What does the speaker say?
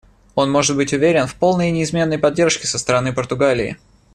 Он может быть уверен в полной и неизменной поддержке со стороны Португалии.